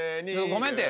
ごめんて。